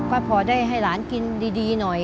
เพราะพอได้ให้ร้านกินดีหน่อย